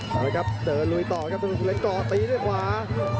มาครับเดินลุยต่อครับตนุสุกเล็กก่อตีด้วยขวา